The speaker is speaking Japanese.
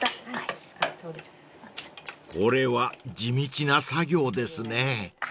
［これは地道な作業ですね］